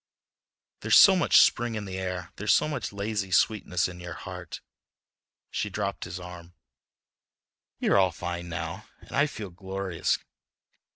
"There's so much spring in the air—there's so much lazy sweetness in your heart." She dropped his arm. "You're all fine now, and I feel glorious.